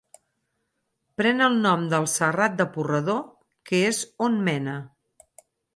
Pren el nom del Serrat de Purredó, que és on mena.